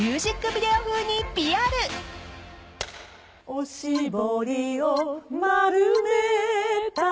「おしぼりをまるめたら」